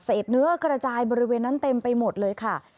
เนื้อกระจายบริเวณนั้นเต็มไปหมดเลยค่ะ